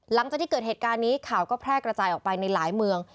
หลังจากที่เกิดเหตุการณ์นี้ข่าวก็แพร่กระจายออกไปในหลายเมือง